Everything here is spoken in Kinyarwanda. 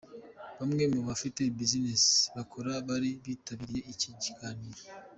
Bamwe mu bafite business bakora bari bitabiriye iki kiganiro.